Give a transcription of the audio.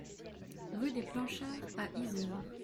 Rue des Planchards à Yzeure